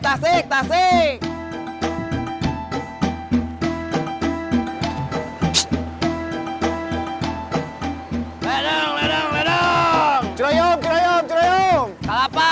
masih ada yang nangis